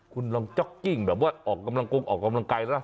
คุณลองจ๊อกกิ้งแบบว่าออกกำลังกงออกกำลังกายนะ